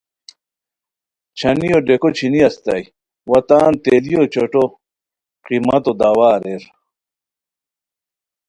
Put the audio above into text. چھانیو ڈیکو چھینی استائے وا تان تیلیو چوٹھو قیمتو دعویٰ اریر